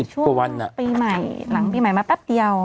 ตั้งแต่ช่วงปีใหม่หลังปีใหม่มาแป๊บเดียว